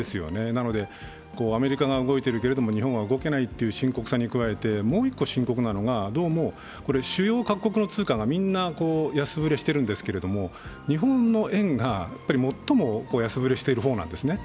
なのでアメリカが動いているけれども、日本は動けないという深刻さに加えて、もう一個深刻なのが、どうも、収容各国の通貨がみんな安ぶれしてるんですが日本の円が最も安ぶれしている方なんですね。